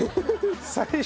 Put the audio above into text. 最初。